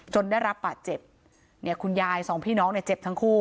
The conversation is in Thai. ได้รับบาดเจ็บเนี่ยคุณยายสองพี่น้องเนี่ยเจ็บทั้งคู่